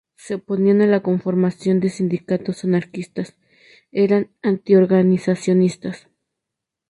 Se oponían a la conformación de sindicatos anarquistas; eran anti-organizacionistas.